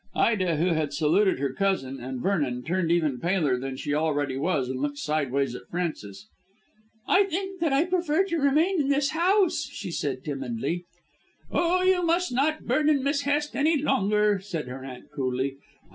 Ida, who had saluted her cousin and Vernon, turned even paler than she already was and looked sideways at Frances. "I think that I prefer to remain in this house," she said timidly. "Oh, you must not burden Miss Hest any longer," said her aunt coolly.